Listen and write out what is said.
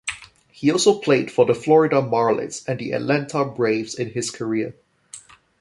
He also played for the Florida Marlins and the Atlanta Braves in his career.